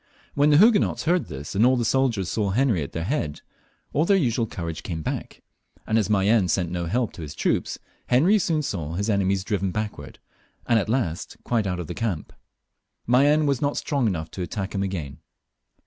When the Huguenots heard this, and all the soldiers saw Henry at their head, all their usual courage came back, and as Mayenne sent no help to his troops. XL.] HENRY IV, 301 Henry soon saw his enemies driven backwards, and at last quite out of the camp. Mayenne was not strong enough to attack him again.